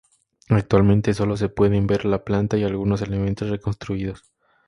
Actualmente sólo se pueden ver la planta y algunos elementos reconstruidos.